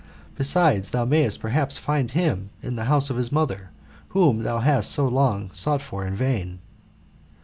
Besides, thou mayest perhaps find him in the house of his mother, whom thou hast so long sought for in vain."